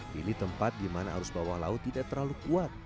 kini tempat di mana arus bawah laut tidak terlalu kuat